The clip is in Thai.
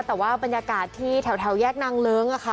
แต่ว่าบรรยากาศที่แถวแยกนางเลิ้งค่ะ